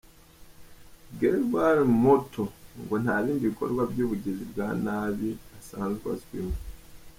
Gregoire Moutaux ngo nta bindi bikorwa by’ubugizi bwa nabi asanzwe azwiho.